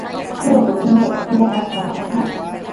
Suqakuq uushaata suqapumashqa.